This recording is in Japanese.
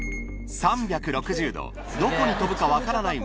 ３６０度どこに飛ぶか分からない